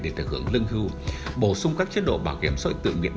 để thực hưởng lương hưu bổ sung các chế độ bảo hiểm xã hội tự nhiên